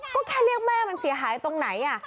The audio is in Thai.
ก็แค่เรียกแม่มันเสียหายตรงไหน